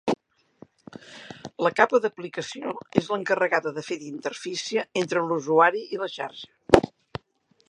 La capa d'aplicació és l'encarregada de fer d'interfície entre l'usuari i la xarxa.